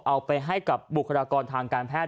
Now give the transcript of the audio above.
เอาไปให้กับบุคลากรทางการแพทย